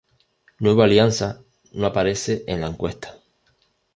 Nueva Alianza no aparece en la encuesta.